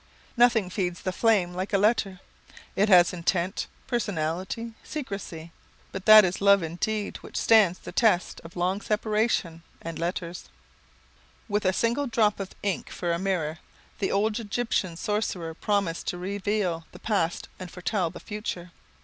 "Nothing feeds the flame like a letter. It has intent, personality, secrecy." But that is love indeed which stands the test of long separation and letters. [Sidenote: A Single Drop of Ink] With a single drop of ink for a mirror, the old Egyptian sorcerer promised to reveal the past and foretell the future.